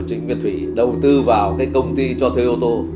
trịnh việt thủy đầu tư vào cái công ty cho thuê ô tô